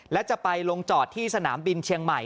และจะไปลงจอดที่สนามบินเชียงใหม่